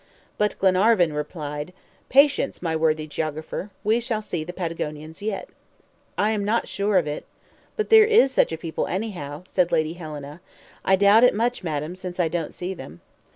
But Glenarvan replied: "Patience, my worthy geographer. We shall see the Patagonians yet." "I am not sure of it." "But there is such a people, anyhow," said Lady Helena. "I doubt it much, madam, since I don't see them."